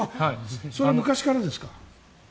それは昔からですか？